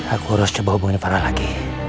aku harus coba hubungin parah lagi